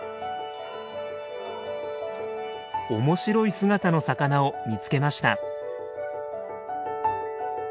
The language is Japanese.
面白い姿の魚を見つけました。